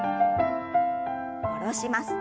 下ろします。